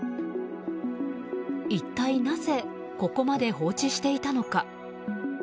一体なぜここまで放置していたのか。